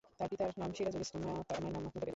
তার পিতার নাম সিরাজুল ইসলাম, মায়ের নাম মাহমুদা বেগম।